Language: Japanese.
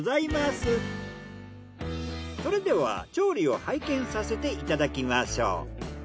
それでは調理を拝見させていただきましょう。